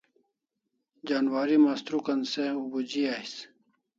Janwari mastrukan se ubuji ais